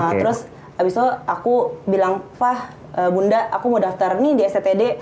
nah terus abis itu aku bilang fah bunda aku mau daftar nih di stt